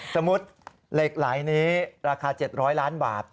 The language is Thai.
สมมุติเหล็กไหลนี้ราคา๗๐๐ล้านบาท